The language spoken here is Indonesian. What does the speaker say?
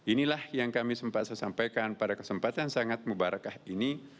inilah yang kami sempat saya sampaikan pada kesempatan sangat mubarakah ini